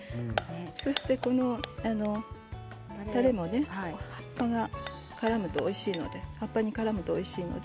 そしてこのたれも葉っぱにからむとおいしいので。